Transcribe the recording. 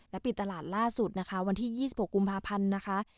ปิดตลาดล่าสุดนะคะวันที่๒๖กุมภาพันธ์นะคะ